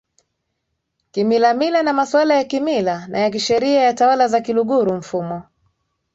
kimila mila na masuala ya kimila na ya kisheria ya tawala za Kiluguru mfumo